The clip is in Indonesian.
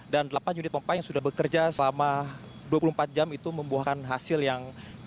dan delapan unit pompa yang sudah bekerja selama dua puluh empat jam itu membuahkan hasil yang cukup